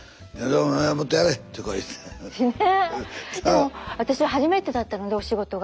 でも私初めてだったのでお仕事が。